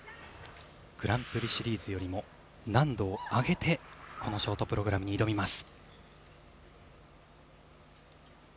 グランプリシリーズよりも難度を上げてこのショートプログラムに挑みます。